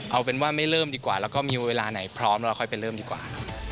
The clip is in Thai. เอาเป็นว่าไม่เริ่มดีกว่าแล้วก็มีเวลาไหนพร้อมแล้วค่อยไปเริ่มดีกว่า